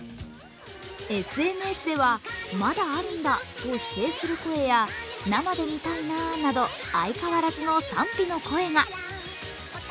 ＳＮＳではまだあるんだと否定する声や、生で見たいななど、相変わらずの賛否の声が。